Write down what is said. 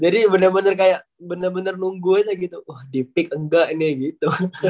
jadi benar benar kayak benar benar nunggu aja gitu di pik enggak ini gitu